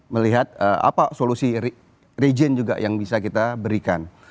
melihat apa solusi region juga yang bisa kita berikan